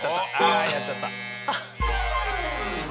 ああやっちゃった。